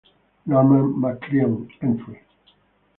Norman McLeod entry.